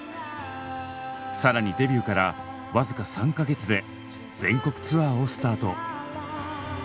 更にデビューからわずか３か月で全国ツアーをスタート。